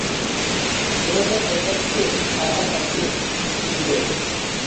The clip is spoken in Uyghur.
شۇنىڭ بىلەن دەسلەپكى قەغەز تاختىسى پۈتىدۇ.